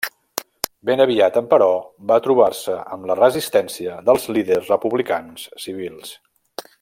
Ben aviat, emperò, va trobar-se amb la resistència dels líders republicans civils.